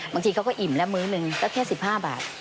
บางทีเขาก็อิ่มแล้วมื้อหนึ่งก็แค่๑๕บาท